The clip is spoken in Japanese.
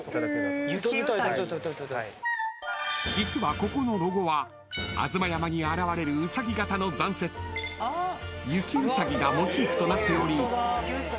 ［実はここのロゴは吾妻山に現れるうさぎ形の残雪雪うさぎがモチーフとなっており］